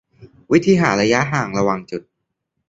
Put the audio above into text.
วิธีหาระยะห่างระหว่างจุด